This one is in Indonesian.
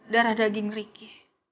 darah daging riki